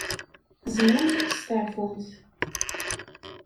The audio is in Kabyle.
Tzemremt ad testeɛfumt.